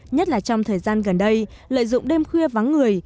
nhất là trong thời gian gần đây lợi dụng đêm khuya vắng người